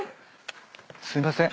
すいません。